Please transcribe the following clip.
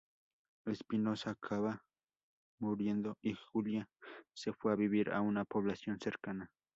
Espinosa acabó muriendo y Julia se fue a vivir a una población cercana.